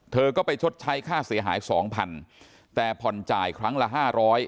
เธอก็ไปชดใช้ค่าเสียหาย๒๐๐๐บาทแต่ผ่อนจ่ายครั้งละ๕๐๐บาท